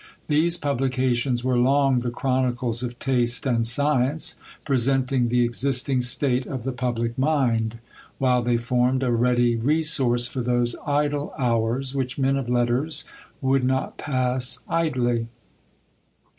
These publications were long the chronicles of taste and science, presenting the existing state of the public mind, while they formed a ready resource for those idle hours, which men of letters would not pass idly.